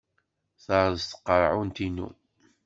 Terreẓ tqerɛunt-inu.